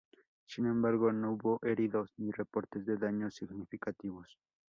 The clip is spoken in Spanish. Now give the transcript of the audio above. Sin embargo, no hubo heridos ni reportes de daños significativos.